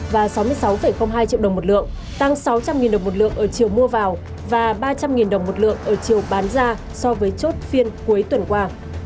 và sáu mươi sáu hai triệu đồng một lượng tăng sáu trăm linh đồng một lượng ở chiều mua vào và ba trăm linh đồng một lượng ở chiều bán ra so với chốt phiên cuối tuần qua